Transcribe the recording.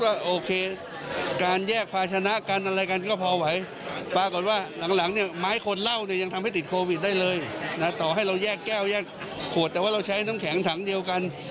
เราแยกแก้วแยกขวดแต่ว่าเราใช้น้ำแข็งถังเดียวกัน